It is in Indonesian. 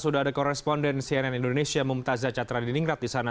sudah ada koresponden cnn indonesia mumtazah catra di ningrat di sana